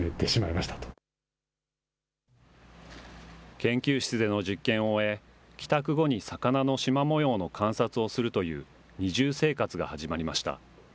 研究室での実験を終え、帰宅後に魚のしま模様の観察をするという二重生活が始まりました。